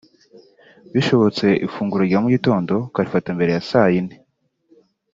bishobotse ifunguro rya mu gitondo ukarifata mbere ya saa ine